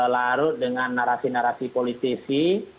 larut dengan narasi narasi politisi